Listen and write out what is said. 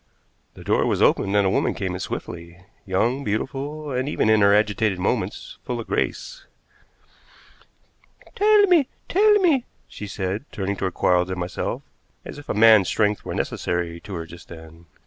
The door was opened, and a woman came in swiftly, young, beautiful, and, even in her agitated movements, full of grace. "Tell me! Tell me!" she said, turning toward Quarles and myself, as if a man's strength were necessary to her just then.